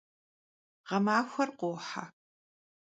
Ğemaxuer khohe.